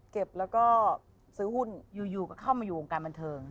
เก็บแล้วก็ซื้อหุ้นอยู่ก็เข้ามาอยู่วงการบันเทิง